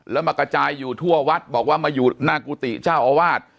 แล้วมากระจายอยู่ทั่ววัดบอกว่ามาอยู่หน้ากุฏิเจ้าอาวาส